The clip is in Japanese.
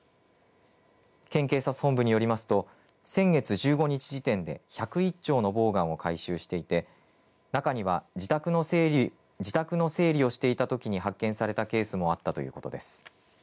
県警察本部によりますと先月１５日時点で１０１丁のボーガンを回収していて中には自宅の整理をしていたときに発見されたケースもあったということです。